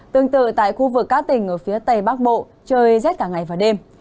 tương tự tại khu vực các tỉnh ở phía tây bắc bộ chơi rất cả ngày và đêm